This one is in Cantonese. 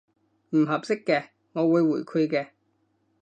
唔合適嘅，我會回饋嘅